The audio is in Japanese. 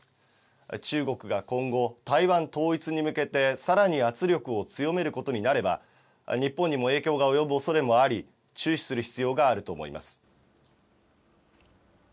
中国が今後、台湾統一に向けてさらに圧力を強めることになれば、日本にも影響が及ぶおそれもあり、注視する必要があると思います。